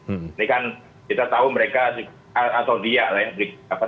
ini kan kita tahu mereka atau dia lah ya